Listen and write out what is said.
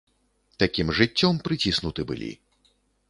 Такім жыццём прыціснуты былі.